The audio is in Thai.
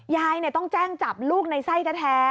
ยายต้องแจ้งจับลูกในไส้แท้